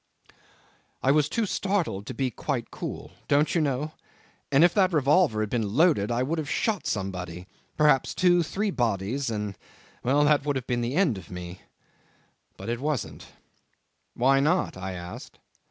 '"I was too startled to be quite cool don't you know? and if that revolver had been loaded I would have shot somebody perhaps two, three bodies, and that would have been the end of me. But it wasn't. ..." "Why not?" I asked.